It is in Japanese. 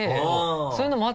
そういうのもあって。